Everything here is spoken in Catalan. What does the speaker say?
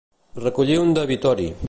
Recollir un debitori.